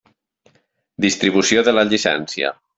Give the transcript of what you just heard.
Distribució de la llicència.